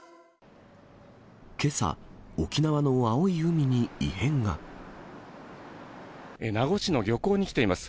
けさ、名護市の漁港に来ています。